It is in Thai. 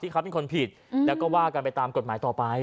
เขาเป็นคนผิดแล้วก็ว่ากันไปตามกฎหมายต่อไป